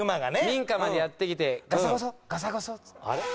民家までやって来てガサゴソガサゴソっつって。